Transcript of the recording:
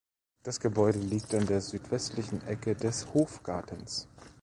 Das Gebäude liegt an der südwestlichen Ecke des Hofgartens.